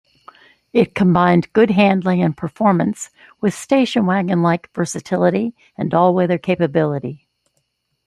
It combined good handling and performance with station wagon-like versatility and all-weather capability.